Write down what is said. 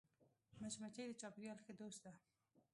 مچمچۍ د چاپېریال ښه دوست ده